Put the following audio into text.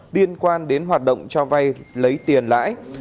liên quan đến hoạt động cho vay lấy tiền lãi